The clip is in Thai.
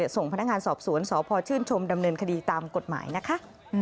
ส่งพนักงานสอบสวนสพชื่นชมดำเนินคดีตามกฎหมายนะคะ